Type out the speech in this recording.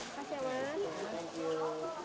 oke terima kasih aman